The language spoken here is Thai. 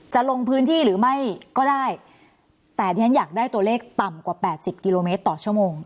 จะลงพื้นที่หรือไม่ก็ได้แต่ที่ฉันอยากได้ตัวเลขต่ำกว่าแปดสิบกิโลเมตรต่อชั่วโมง